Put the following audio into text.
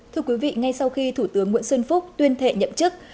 thưa quý vị ngay sau khi thủ tướng nguyễn xuân phúc tuyên thệ nhậm chức